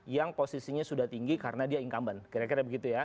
yang posisinya sudah tinggi karena dia incumbent kira kira begitu ya